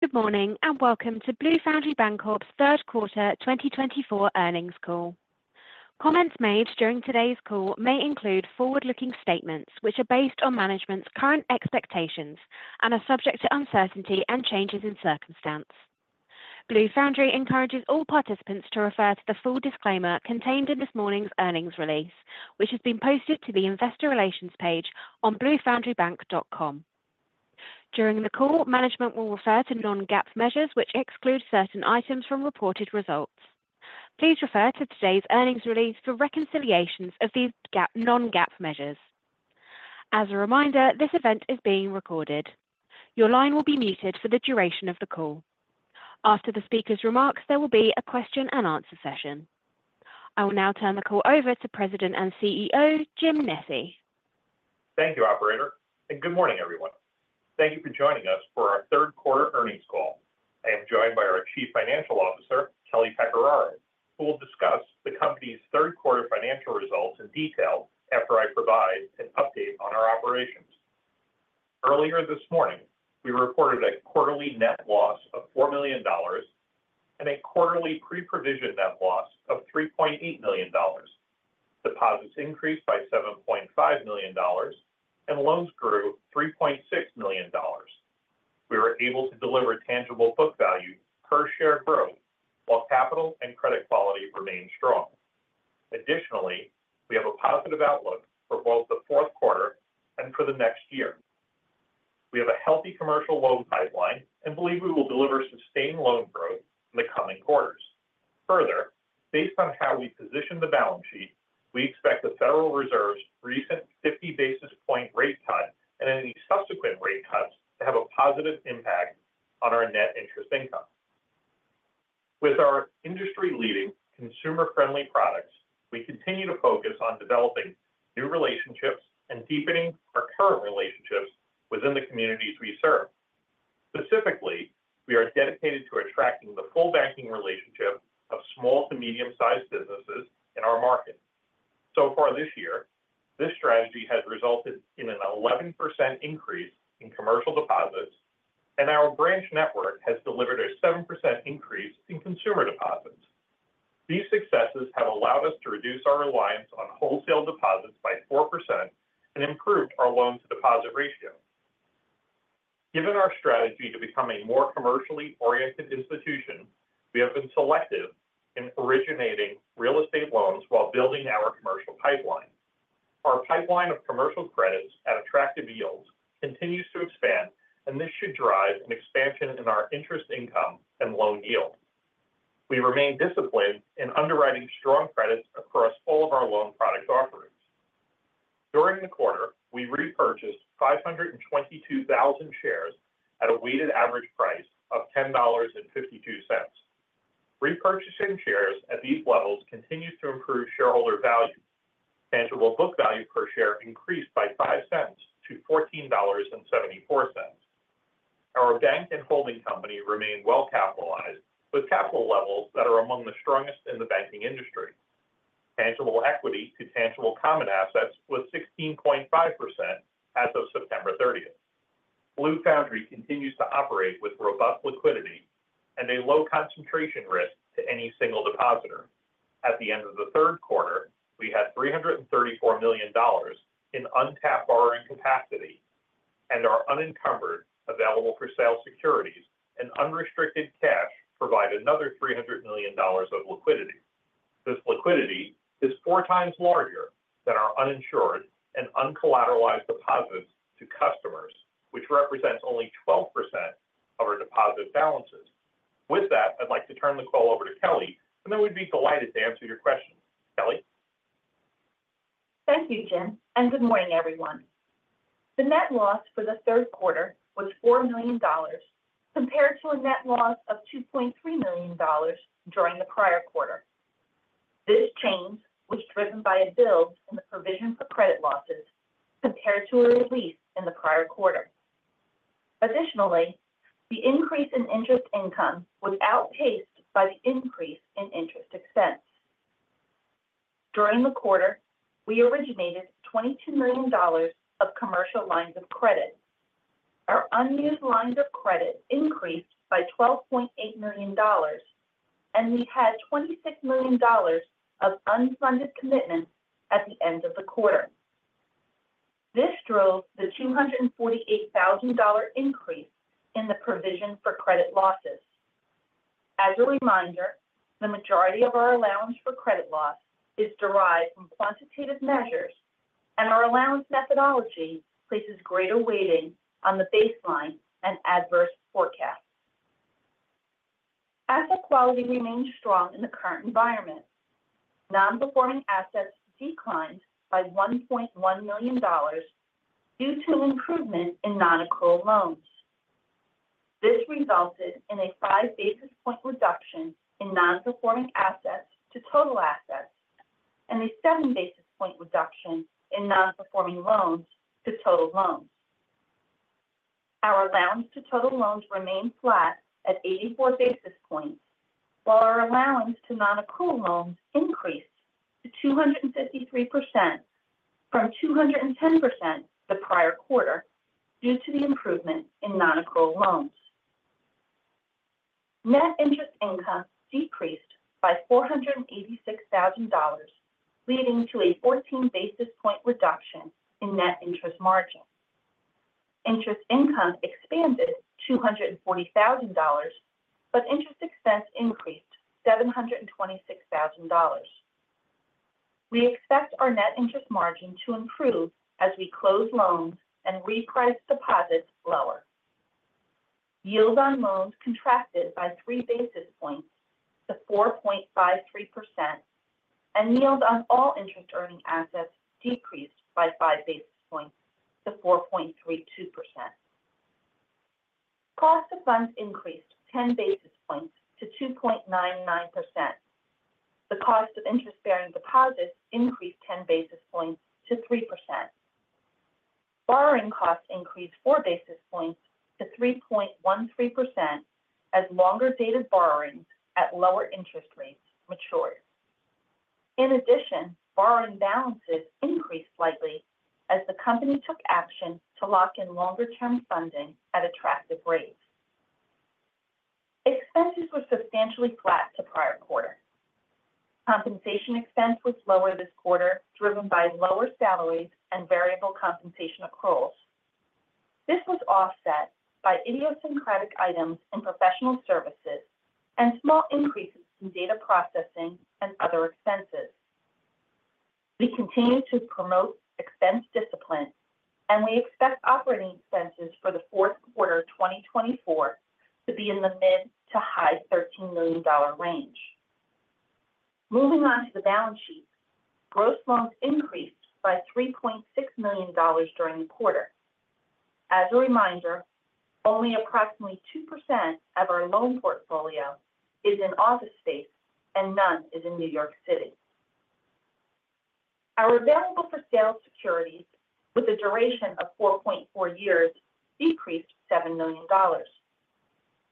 Good morning, and welcome to Blue Foundry Bancorp's Q3 twenty twenty-four earnings call. Comments made during today's call may include forward-looking statements, which are based on management's current expectations and are subject to uncertainty and changes in circumstance. Blue Foundry encourages all participants to refer to the full disclaimer contained in this morning's earnings release, which has been posted to the Investor Relations page on bluefoundrybank.com. During the call, management will refer to non-GAAP measures, which exclude certain items from reported results. Please refer to today's earnings release for reconciliations of these GAAP - non-GAAP measures. As a reminder, this event is being recorded. Your line will be muted for the duration of the call. After the speaker's remarks, there will be a question and answer session. I will now turn the call over to President and CEO, Jim Nesci. Thank you, operator, and good morning, everyone. Thank you for joining us for our tQ3 earnings call. I am joined by our Chief Financial Officer, Kelly Pecoraro, who will discuss the company's Q3 financial results in detail after I provide an update on our operations. Earlier this morning, we reported a quarterly net loss of $4 million and a quarterly pre-provision net loss of $3.8 million. Deposits increased by $7.5 million, and loans grew $3.6 million. We were able to deliver tangible book value per share growth while capital and credit quality remained strong. Additionally, we have a positive outlook for both the Q4 and for the next year. We have a healthy commercial loan pipeline and believe we will deliver sustained loan growth in the coming quarters. Further, based on how we position the balance sheet, we expect the Federal Reserve's recent fifty basis point rate cut and any subsequent rate cuts to have a positive impact on our net interest income. With our industry-leading, consumer-friendly products, we continue to focus on developing new relationships and deepening our current relationships within the communities we serve. Specifically, we are dedicated to attracting the full banking relationship of small to medium-sized businesses in our market. So far this year, this strategy has resulted in an 11% increase in commercial deposits, and our branch network has delivered a 7% increase in consumer deposits. These successes have allowed us to reduce our reliance on wholesale deposits by 4% and improved our loan-to-deposit ratio. Given our strategy to become a more commercially oriented institution, we have been selective in originating real estate loans while building our commercial pipeline. Our pipeline of commercial credits at attractive yields continues to expand, and this should drive an expansion in our interest income and loan yield. We remain disciplined in underwriting strong credits across all of our loan product offerings. During the quarter, we repurchased 522,000 shares at a weighted average price of $10.52. Repurchasing shares at these levels continues to improve shareholder value. Tangible book value per share increased by $0.05 to $14.74. Our bank and holding company remain well capitalized, with capital levels that are among the strongest in the banking industry. Tangible equity to tangible common assets was 16.5% as of September thirtieth. Blue Foundry continues to operate with robust liquidity and a low concentration risk to any single depositor. At the end of the Q3, we had $334 million in untapped borrowing capacity and our unencumbered available-for-sale securities and unrestricted cash provided another $300 million of liquidity. This liquidity is four times larger than our uninsured and uncollateralized deposits to customers, which represents only 12% of our deposit balances. With that, I'd like to turn the call over to Kelly, and then we'd be delighted to answer your questions. Kelly? Thank you, Jim, and good morning, everyone. The net loss for the Q3 was $4 million compared to a net loss of $2.3 million during the prior quarter. This change was driven by a build in the provision for credit losses compared to a release in the prior quarter. Additionally, the increase in interest income was outpaced by the increase in interest expense. During the quarter, we originated $22 million of commercial lines of credit. Our unused lines of credit increased by $12.8 million, and we had $26 million of unfunded commitments at the end of the quarter. This drove the $248,000 increase in the provision for credit losses. As a reminder, the majority of our allowance for credit loss is derived from quantitative measures, and our allowance methodology places greater weighting on the baseline and adverse forecast. Asset quality remains strong in the current environment. Non-performing assets declined by $1.1 million due to improvement in non-accrual loans. This resulted in a five basis point reduction in non-performing assets to total assets and a seven basis point reduction in non-performing loans to total loans. Our allowance to total loans remained flat at eighty-four basis points, while our allowance to non-accrual loans increased to 253% from 210% the prior quarter, due to the improvement in non-accrual loans. Net interest income decreased by $486,000, leading to a fourteen basis point reduction in net interest margin. Interest income expanded $240,000, but interest expense increased $726,000. We expect our net interest margin to improve as we close loans and reprice deposits lower. Yield on loans contracted by 3 basis points to 4.53%, and yields on all interest-earning assets decreased by 5 basis points to 4.32%. Cost of funds increased 10 basis points to 2.99%. The cost of interest-bearing deposits increased 10 basis points to 3%. Borrowing costs increased 4 basis points to 3.13% as longer-dated borrowings at lower interest rates matured. In addition, borrowing balances increased slightly as the company took action to lock in longer-term funding at attractive rates. Expenses were substantially flat to prior quarter. Compensation expense was lower this quarter, driven by lower salaries and variable compensation accruals. This was offset by idiosyncratic items in professional services and small increases in data processing and other expenses. We continue to promote expense discipline, and we expect operating expenses for the Q4 of 2024 to be in the mid- to high-$13 million range. Moving on to the balance sheet. Gross loans increased by $3.6 million during the quarter. As a reminder, only approximately 2% of our loan portfolio is in office space and none is in New York City. Our available-for-sale securities, with a duration of 4.4 years, decreased $7 million.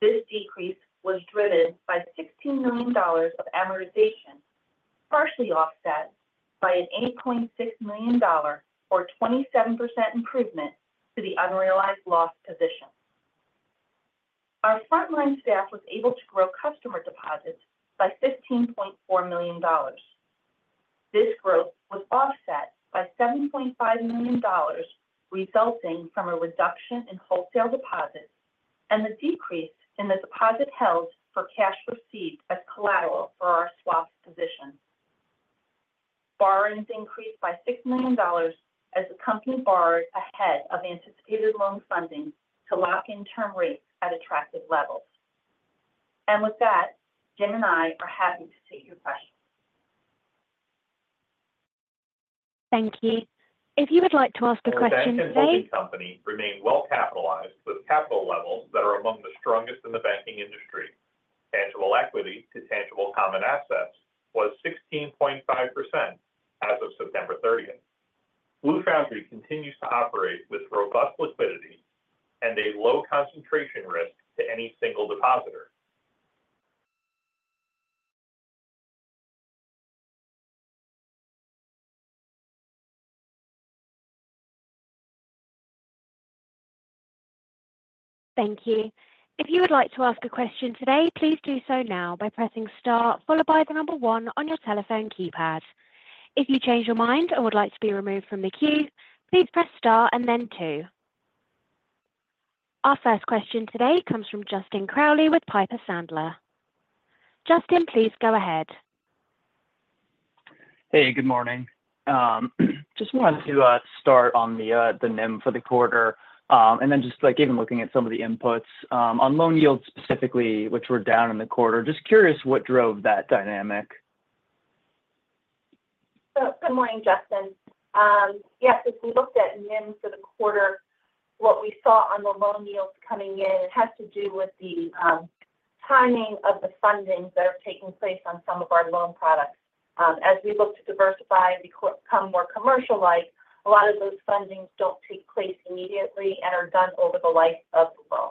This decrease was driven by $16 million of amortization, partially offset by an $8.6 million or 27% improvement to the unrealized loss position. Our frontline staff was able to grow customer deposits by $15.4 million. This growth was offset by $7.5 million, resulting from a reduction in wholesale deposits and the decrease in the deposit held for cash received as collateral for our swap position. Borrowings increased by $6 million as the company borrowed ahead of anticipated loan funding to lock in term rates at attractive levels, and with that, Jim and I are happy to take your questions. Thank you. If you would like to ask a question today- Our bank holding company remained well capitalized, with capital levels that are among the strongest in the banking industry. Tangible quity to tangible common assets was 16.5% as of September thirtieth. Blue Foundry continues to operate with robust liquidity and a low concentration risk to any single depositor. Thank you. If you would like to ask a question today, please do so now by pressing star followed by the number one on your telephone keypad. If you change your mind or would like to be removed from the queue, please press star and then two. Our first question today comes from Justin Crowley with Piper Sandler. Justin, please go ahead. Hey, good morning. Just wanted to start on the NIM for the quarter, and then just, like, even looking at some of the inputs, on loan yields specifically, which were down in the quarter. Just curious what drove that dynamic? Good morning, Justin. Yes, if we looked at NIM for the quarter, what we saw on the loan yields coming in has to do with the timing of the fundings that are taking place on some of our loan products. As we look to diversify and become more commercial-like, a lot of those fundings don't take place immediately and are done over the life of the loan.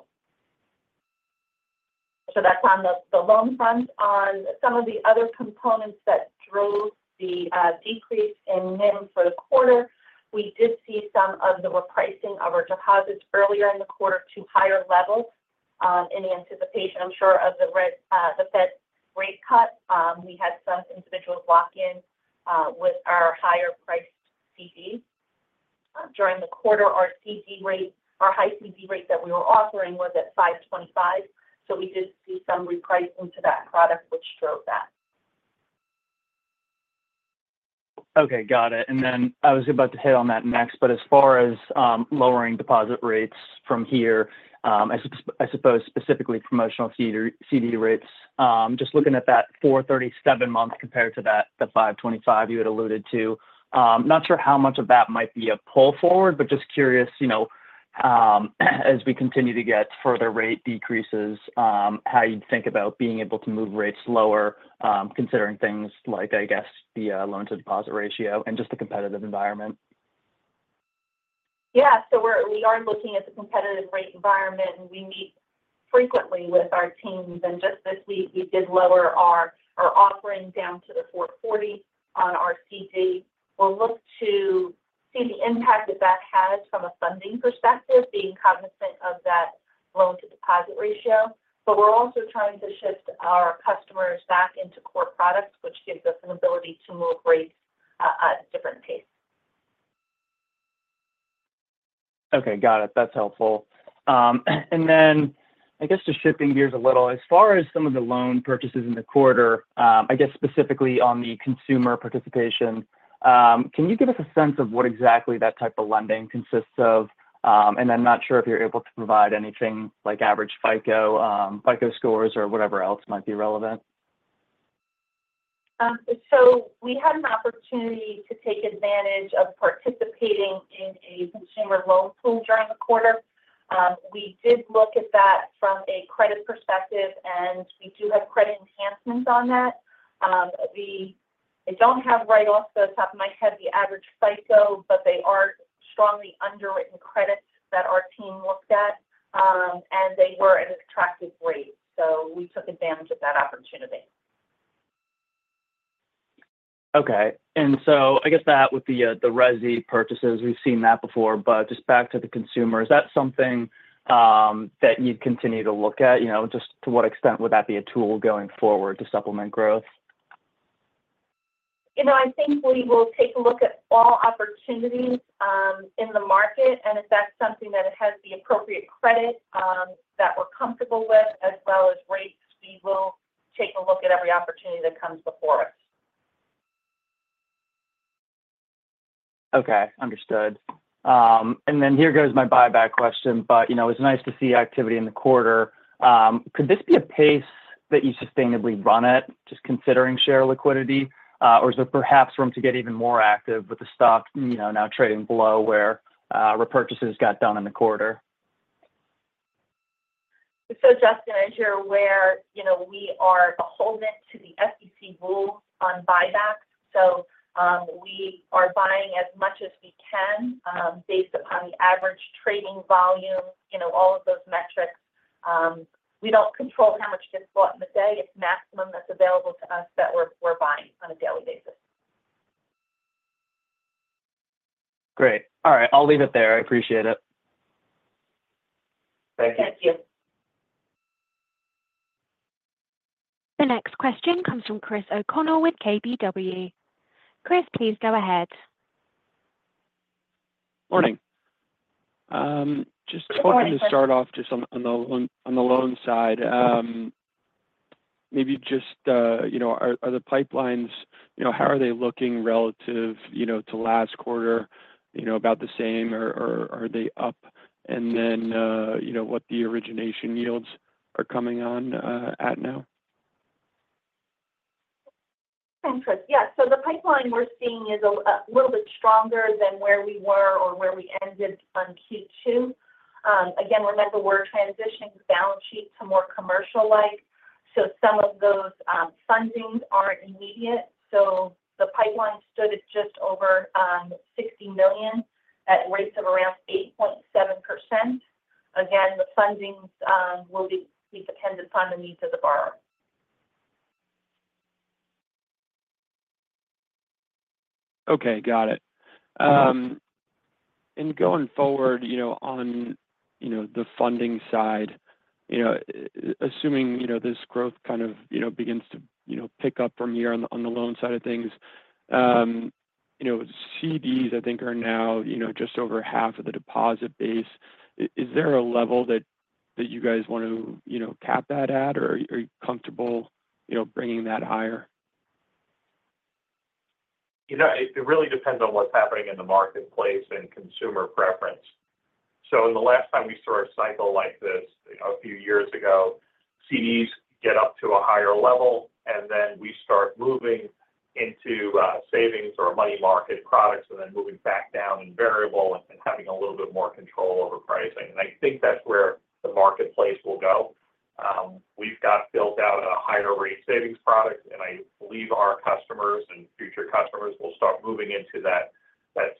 That's on the loan front. On some of the other components that drove the decrease in NIM for the quarter, we did see some of the repricing of our deposits earlier in the quarter to higher levels in anticipation, I'm sure, of the Fed rate cut. We had some individuals lock in with our higher-priced CDs. During the quarter, our high CD rate that we were offering was at 5.25%, so we did see some repricing to that product, which drove that. Okay, got it. And then I was about to hit on that next, but as far as lowering deposit rates from here, I suppose specifically promotional CD rates, just looking at that 4.37 month compared to the 5.25 you had alluded to. Not sure how much of that might be a pull forward, but just curious, you know, as we continue to get further rate decreases, how you think about being able to move rates lower, considering things like, I guess, the loan-to-deposit ratio and just the competitive environment? Yeah, so we are looking at the competitive rate environment, and we meet frequently with our teams, and just this week, we did lower our offerings down to the 4.40 on our CD. We'll look to see the impact that has from a funding perspective, being cognizant of that loan-to-deposit ratio, but we're also trying to shift our customers back into core products, which gives us an ability to move rates at a different pace. Okay. Got it. That's helpful. And then I guess just shifting gears a little, as far as some of the loan purchases in the quarter, I guess specifically on the consumer participation, can you give us a sense of what exactly that type of lending consists of? And I'm not sure if you're able to provide anything like average FICO, FICO scores or whatever else might be relevant. So we had an opportunity to take advantage of participating in a consumer loan pool during the quarter. We did look at that from a credit perspective, and we do have credit enhancements on that. I don't have right off the top of my head the average FICO, but they are strongly underwritten credits that our team looked at. And they were an attractive rate, so we took advantage of that opportunity. Okay. And so I guess that with the resi purchases, we've seen that before, but just back to the consumer, is that something that you'd continue to look at? You know, just to what extent would that be a tool going forward to supplement growth? You know, I think we will take a look at all opportunities in the market, and if that's something that has the appropriate credit that we're comfortable with as well as rates, we will take a look at every opportunity that comes before us. Okay. Understood. And then here goes my buyback question, but, you know, it's nice to see activity in the quarter. Could this be a pace that you sustainably run at, just considering share liquidity, or is there perhaps room to get even more active with the stock, you know, now trading below where repurchases got done in the quarter? So, Justin, as you're aware, you know, we are beholden to the SEC rules on buybacks, so, we are buying as much as we can, based upon the average trading volume, you know, all of those metrics. We don't control how much gets bought in the day. It's maximum that's available to us that we're buying on a daily basis. Great. All right, I'll leave it there. I appreciate it. Thank you. The next question comes from Chris O'Connell with KBW. Chris, please go ahead. Morning. Good morning, Chris.... hoping to start off just on the loan side. Maybe just, you know, are the pipelines-- You know, how are they looking relative, you know, to last quarter? You know, about the same or are they up? And then, you know, what the origination yields are coming on at now? Thanks, Chris. Yeah, so the pipeline we're seeing is a little bit stronger than where we were or where we ended on Q2. Again, remember, we're transitioning the balance sheet to more commercial-like, so some of those fundings aren't immediate. So the pipeline stood at just over $60 million at rates of around 8.7%. Again, the fundings will be dependent on the needs of the borrower. Okay. Got it. And going forward, you know, on, you know, the funding side, you know, assuming, you know, this growth kind of, you know, begins to, you know, pick up from here on the, on the loan side of things, you know, CDs, I think, are now, you know, just over half of the deposit base. Is there a level that you guys want to, you know, cap that at, or are you comfortable, you know, bringing that higher? You know, it really depends on what's happening in the marketplace and consumer preference. So in the last time we saw a cycle like this, you know, a few years ago, CDs get up to a higher level, and then we start moving into savings or money market products and then moving back down in variable and having a little bit more control over pricing. And I think that's where the marketplace will go. We've got built out a higher rate savings product, and I believe our customers and future customers will start moving into that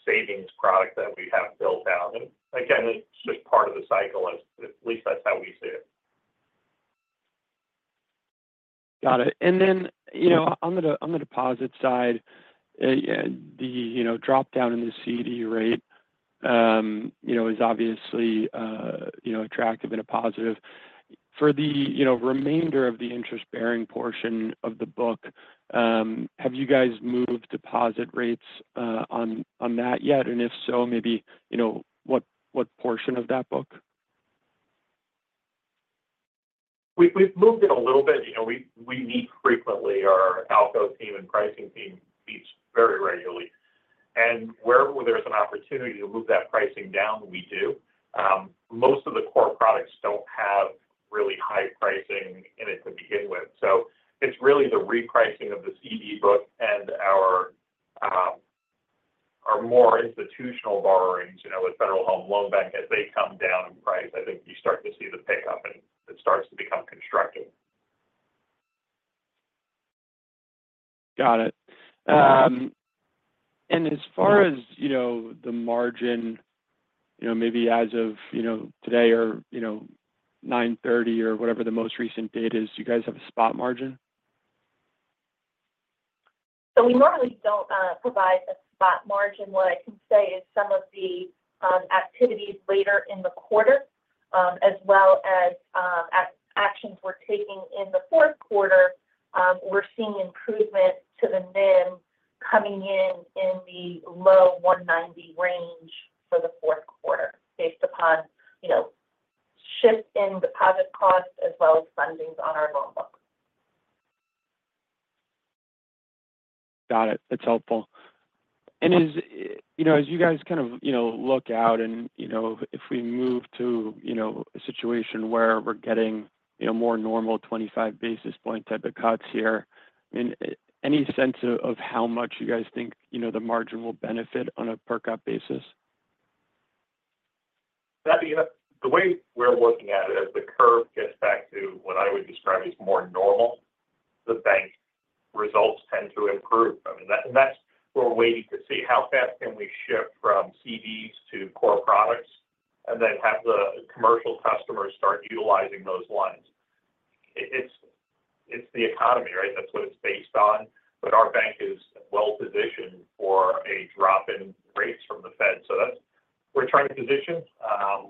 savings product that we have built out. And again, it's just part of the cycle, at least that's how we see it. Got it. And then, you know, on the deposit side, yeah, you know, drop down in the CD rate, you know, is obviously, you know, attractive and a positive. For the, you know, remainder of the interest-bearing portion of the book, have you guys moved deposit rates, on that yet? And if so, maybe, you know, what portion of that book? We've moved it a little bit. You know, we meet frequently. Our ALCO team and pricing team meets very regularly, and wherever there's an opportunity to move that pricing down, we do. Most of the core products don't have really high pricing in it to begin with. So it's really the repricing of the CD book and our, our more institutional borrowings, you know, with Federal Home Loan Bank. As they come down in price, I think you start to see the pickup, and it starts to- ...Got it. And as far as, you know, the margin, you know, maybe as of, you know, today or, you know, 9:30 A.M. or whatever the most recent date is, do you guys have a spot margin? So we normally don't provide a spot margin. What I can say is some of the activities later in the quarter, as well as actions we're taking in the Q4, we're seeing improvement to the NIM coming in, in the low one ninety range for the Q4, based upon, you know, shifts in deposit costs as well as fundings on our loan book. Got it. That's helpful. And as, you know, as you guys kind of, you know, look out and, you know, if we move to, you know, a situation where we're getting, you know, more normal twenty-five basis point type of cuts here, I mean, any sense of, of how much you guys think, you know, the margin will benefit on a per cut basis? That, you know, the way we're looking at it, as the curve gets back to what I would describe as more normal, the bank results tend to improve. I mean, and that's what we're waiting to see how fast can we shift from CDs to core products and then have the commercial customers start utilizing those lines. It's the economy, right? That's what it's based on. But our bank is well-positioned for a drop in rates from the Fed. That's it. We're trying to position.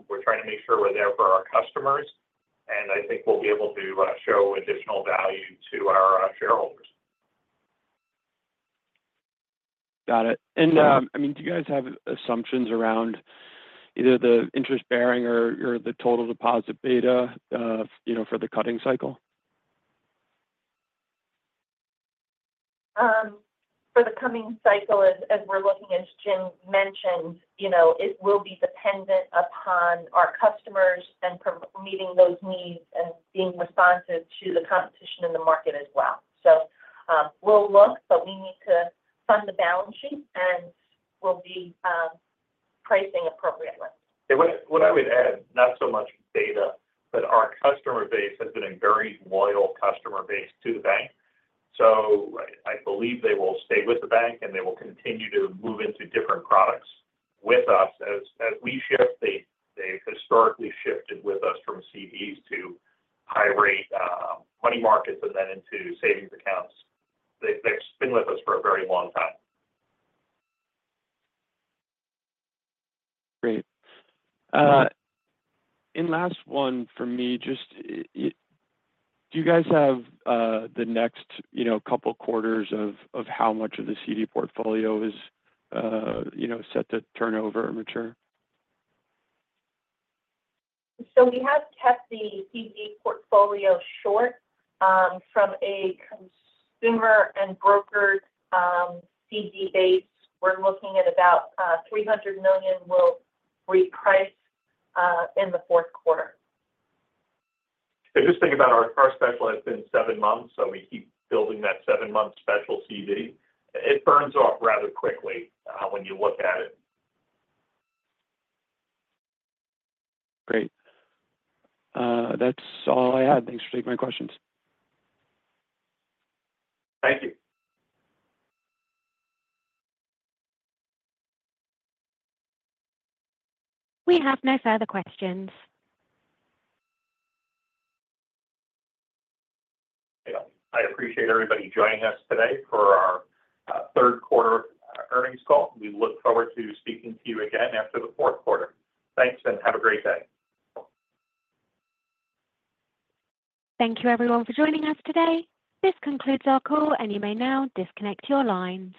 We're trying to make sure we're there for our customers, and I think we'll be able to show additional value to our shareholders. Got it. And, I mean, do you guys have assumptions around either the interest-bearing or the total deposit beta, you know, for the cutting cycle? For the coming cycle, as we're looking, as Jim mentioned, you know, it will be dependent upon our customers and from meeting those needs and being responsive to the competition in the market as well. So, we'll look, but we need to fund the balance sheet, and we'll be pricing appropriately. What I would add, not so much data, but our customer base has been a very loyal customer base to the bank. I believe they will stay with the bank, and they will continue to move into different products with us. As we shift, they've historically shifted with us from CDs to high-rate money markets and then into savings accounts. They've been with us for a very long time. Great. And last one for me, just. Do you guys have, you know, the next couple quarters of how much of the CD portfolio is, you know, set to turn over or mature? So we have kept the CD portfolio short. From a consumer and brokered CD base, we're looking at about $300 million will reprice in the Q4. Just think about our special has been seven months, so we keep building that seven-month special CD. It burns off rather quickly when you look at it. Great. That's all I had. Thanks for taking my questions. Thank you. We have no further questions. Yeah. I appreciate everybody joining us today for our Q3 earnings call. We look forward to speaking to you again after the Q4. Thanks, and have a great day. Thank you, everyone, for joining us today. This concludes our call, and you may now disconnect your lines.